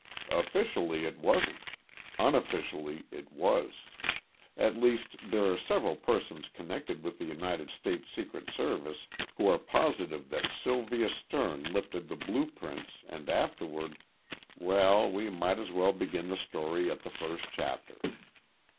"Officially, it wasn't. Unofficially, it was. At least there are several persons connected with the United States Secret Service who are positive that Sylvia Sterne lifted the blue prints and afterward well, we might as well begin the story at the first chapter."